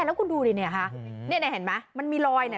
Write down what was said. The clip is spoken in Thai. แล้วคุณดูดิเนี่ยค่ะเนี่ยเห็นไหมมันมีรอยเนี่ย